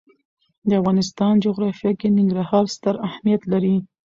د افغانستان جغرافیه کې ننګرهار ستر اهمیت لري.